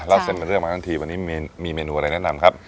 เล่าเส้นเป็นเรื่องมาทั้งทีวันนี้มีเมนูอะไรแนะนำครับ